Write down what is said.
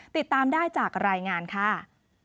ติดตามได้จากรายงานค่ะ